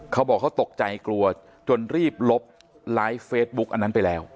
เขาบอกเขาตกใจกลัวจนรีบลบไลฟ์เฟซบุ๊กอันนั้นไปแล้ว